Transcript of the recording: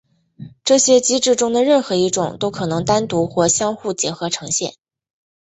这些机制中的任何一种都可能单独或相互结合呈现。